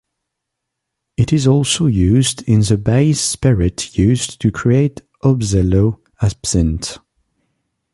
It is also used in the base spirit used to create Obsello Absinthe.